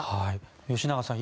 吉永さん